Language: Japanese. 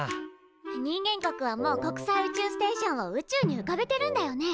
人間国はもう国際宇宙ステーションを宇宙にうかべてるんだよね。